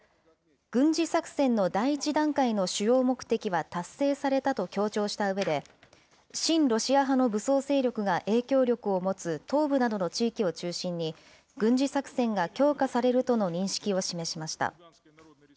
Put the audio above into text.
軍事作戦の第１段階の主要目的は達成されたと強調したうえで、親ロシア派の武装勢力が影響力を持つ東部などの地域を中心に、軍事作戦が強化されるとの認識を示しました。